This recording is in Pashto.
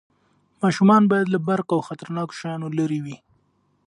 ماشومان باید له برق او خطرناکو شیانو لرې وي.